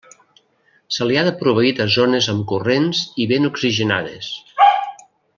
Se li ha de proveir de zones amb corrents i ben oxigenades.